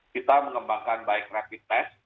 kita mengembangkan baik rapid test